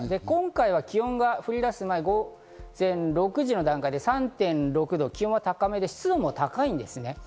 今回は気温が降り出す前、午前６時の段階で３．６度、気温が高めで湿度も高いんです。